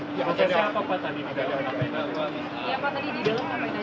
yang mau ditanya apa tadi